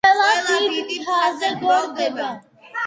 ყველა დიდ მთაზე გროვდება,